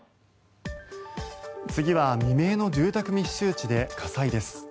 次は未明の住宅密集地で火災です。